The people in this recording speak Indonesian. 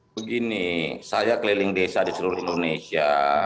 begini saya keliling desa di seluruh indonesia